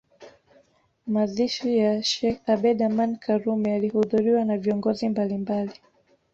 Mazishi ya Sheikh Abeid Amani Karume yalihudhuriwa na viongozi mbalimbali